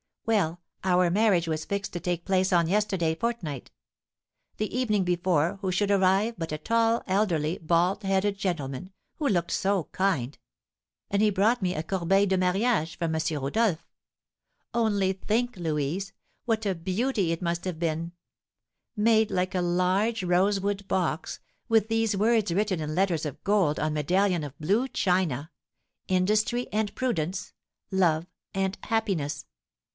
"Well, our marriage was fixed to take place on yesterday fortnight; the evening before, who should arrive but a tall, elderly, bald headed gentleman, who looked so kind; and he brought me a corbeille de mariage from M. Rodolph. Only think, Louise, what a beauty it must have been, made like a large rosewood box, with these words written in letters of gold, on medallion of blue china, 'Industry and Prudence Love and Happiness.'